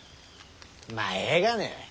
まあええがね。